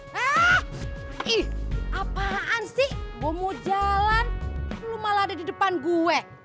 hah ih apaan sih gua mau jalan lu malah ada di depan gue